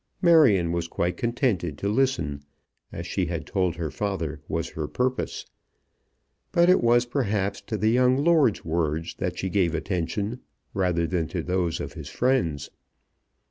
Marion was quite contented to listen, as she had told her father was her purpose; but it was perhaps to the young lord's words that she gave attention rather than to those of his friends.